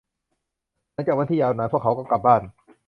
หลังจากวันที่ยาวนาน พวกเขาก็กลับบ้าน